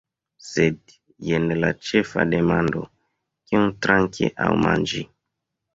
Sed jen la ĉefa demando: « kion trinki aŭ manĝi."